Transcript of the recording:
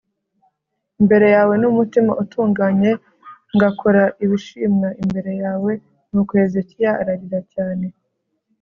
imbere yawe n'umutima utunganye ngakora ibishimwa imbere yawe. nuko hezekiya ararira cyane